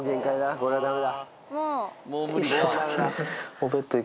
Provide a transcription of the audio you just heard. これはダメだ。